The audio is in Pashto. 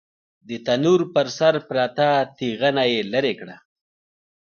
د تنور پر سر پرته تېغنه يې ليرې کړه.